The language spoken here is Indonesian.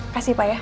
kasih pak ya